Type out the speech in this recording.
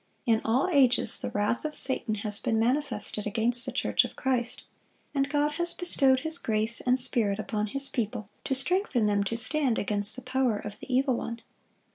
In all ages the wrath of Satan has been manifested against the church of Christ; and God has bestowed His grace and Spirit upon His people to strengthen them to stand against the power of the evil one.